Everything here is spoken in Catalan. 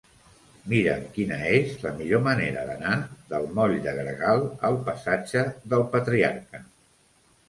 Mira'm quina és la millor manera d'anar del moll de Gregal al passatge del Patriarca.